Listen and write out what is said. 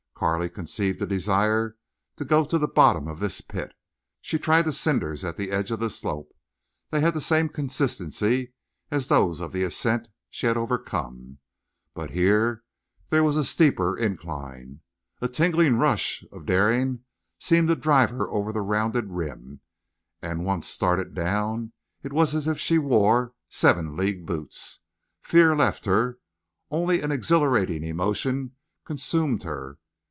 Carley conceived a desire to go to the bottom of this pit. She tried the cinders of the edge of the slope. They had the same consistency as those of the ascent she had overcome. But here there was a steeper incline. A tingling rush of daring seemed to drive her over the rounded rim, and, once started down, it was as if she wore seven league boots. Fear left her. Only an exhilarating emotion consumed her.